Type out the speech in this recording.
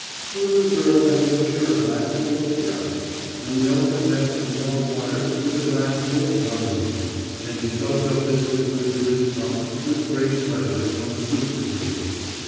The little girl had a liqueur glass full of sherry, and the elephant had some warm water with a glassful of rum in it, and he sucked up this liquid through his trunk with great pleasure from a soup tureen.